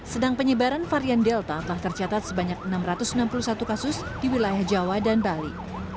sedang penyebaran varian delta telah tercatat sebanyak enam ratus enam puluh satu kasus di wilayah jawa dan bali